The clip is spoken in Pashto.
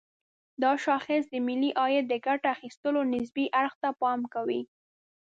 دا شاخص د ملي عاید د ګټه اخيستلو نسبي اړخ ته پام کوي.